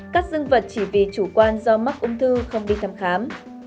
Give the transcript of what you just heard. các dương vật chỉ vì chủ quan do mắc ung thư không đi thăm khám